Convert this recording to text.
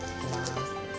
いきます。